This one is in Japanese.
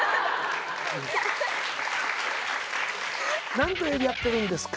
何と呼び合ってるんですか？